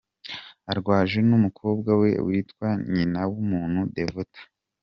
Arwajwe n’umukobwa we witwa Nyinawumuntu Devota.